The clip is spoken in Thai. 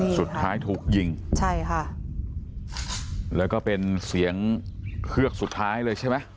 สุดท้ายถูกยิงใช่ค่ะแล้วก็เป็นเสียงเฮือกสุดท้ายเลยใช่ไหม